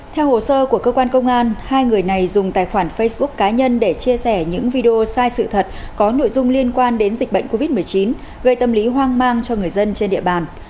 theo hồ sơ của cơ quan công an hai người này dùng tài khoản facebook cá nhân để chia sẻ những video sai sự thật có nội dung liên quan đến dịch bệnh covid một mươi chín gây tâm lý hoang mang cho người dân trên địa bàn